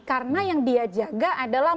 karena yang dia jaga adalah